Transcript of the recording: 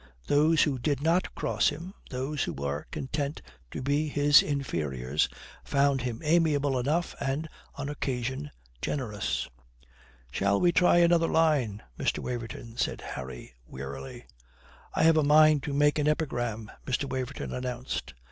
Those who did not cross him, those who were content to be his inferiors, found him amiable enough and, on occasion, generous.... "Shall we try another line, Mr. Waverton?" said Harry wearily. "I have a mind to make an epigram," Mr. Waverton announced.